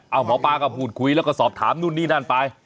เอาหมอปลาก็พูดคุยแล้วก็สอบถามนู่นนี่นั่นไป